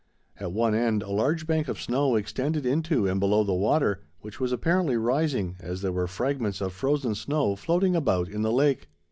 At one end, a large bank of snow extended into and below the water, which was apparently rising, as there were fragments of frozen snow floating about in the lake.